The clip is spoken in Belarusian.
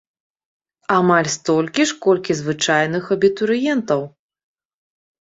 Амаль столькі ж, колькі звычайных абітурыентаў!